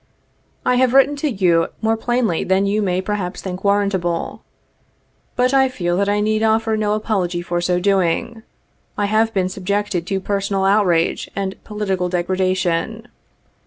'' I have written to you more plainly than you may perhaps think warrantable. But I feel that I need offer no apology for so doing. — I have been subjected to personal outrage and political degradation.